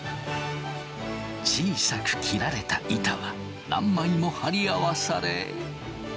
小さく切られた板は何枚も貼り合わされ。